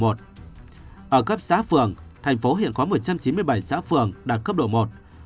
ở cấp xã phường tp hcm hiện có một trăm chín mươi bảy xã phường đạt cấp độ một